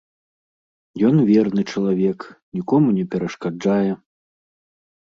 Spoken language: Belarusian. Ён верны чалавек, нікому не перашкаджае.